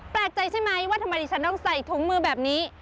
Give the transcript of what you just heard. แปลกใจใช่ไหมว่าทำไมดิฉันต้องใส่ถุงมือแบบนี้